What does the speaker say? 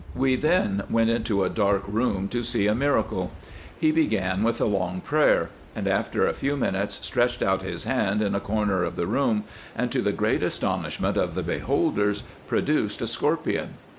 We then went into a dark room to see a miracle. He began with a long prayer, and after a few minutes stretched out his hand in a corner of the room, and to the great astonishment of the beholders produced a scorpion.